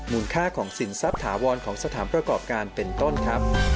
ค่าของสินทรัพย์ถาวรของสถานประกอบการเป็นต้นครับ